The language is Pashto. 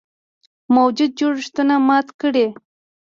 موجوده جوړښتونه مات کړي.